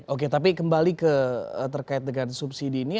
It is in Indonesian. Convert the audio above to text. oke tapi kembali terkait dengan subsidi ini